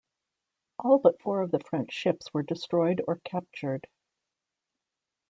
All but four of the French ships were destroyed or captured.